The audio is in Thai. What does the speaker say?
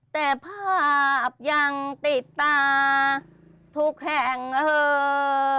แต่ภาพยังติดตาทุกแห่งเออ